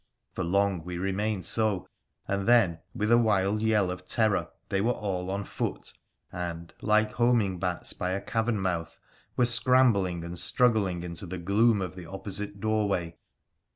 For long we remained so, and then, with a wild yell of terror they were all on foot, and, like homing bats by a cavern mouth, were scrambling and struggling into the gloom of the opposite doorway.